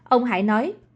ông hải nói